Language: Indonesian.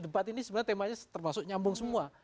debat ini sebenarnya temanya termasuk nyambung semua